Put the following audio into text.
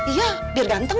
iya biar ganteng